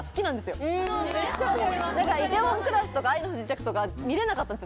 だから『梨泰院クラス』とか『愛の不時着』とか見れなかったんですよ